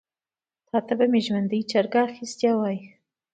تا ته به مي ژوندی چرګ اخیستی وای .